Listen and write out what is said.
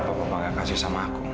kenapa papa nggak kasih sama aku